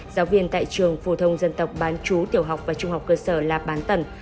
giáo viên tại trường phù thông dân tộc bán chú tiểu học và trung học cơ sở lạp bán tẩn